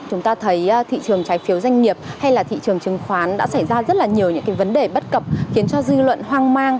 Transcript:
chúng ta thấy thị trường trái phiếu doanh nghiệp hay là thị trường chứng khoán đã xảy ra rất là nhiều những cái vấn đề bất cập khiến cho dư luận hoang mang